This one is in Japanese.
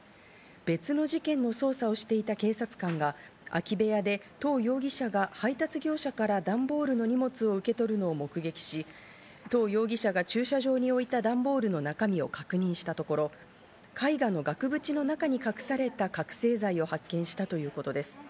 別の事件の捜査をしていた警察官が空き部屋でトウ容疑者が配達業者から段ボールの荷物を受け取るのを目撃し、トウ容疑者が駐車場に置いた段ボールの中身を確認したところ、絵画の額縁の中に隠された覚醒剤を発見したということです。